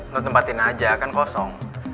lo tempatin aja akan kosong